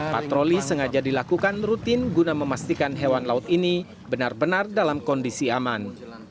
patroli sengaja dilakukan rutin guna memastikan hewan laut ini benar benar dalam kondisi aman